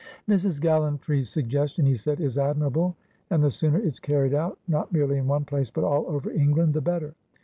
"Mrs. Gallantry's suggestion," he said, "is admirable, and the sooner it's carried out, not merely in one place, but all over England, the better.